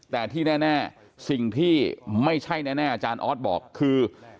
แต่ที่แน่สิ่งที่ไม่ใช่แน่อาจารย์ออสบอกคือ